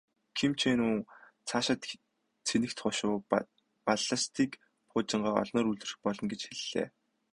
Ким Чен Ун цаашид цэнэгт хошуу, баллистик пуужингаа олноор үйлдвэрлэх болно гэж хэллээ.